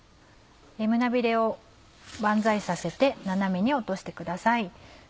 胸びれを万歳させて斜めに落としてください。